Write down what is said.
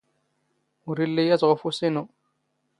ⵓⵔ ⵉⵍⵍⵉ ⵢⴰⵜ ⵖ ⵓⴼⵓⵙ ⵉⵏⵓ.